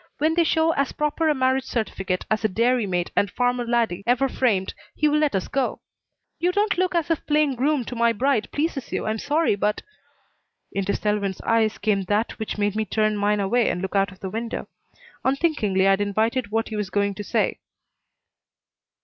When they show as proper a marriage certificate as a dairy maid and farmer laddie ever framed he will let us go. You don't look as if playing groom to my bride pleases you. I'm sorry, but " Into Selwyn's eyes came that which made me turn mine away and look out of the window. Unthinkingly I had invited what he was going to say.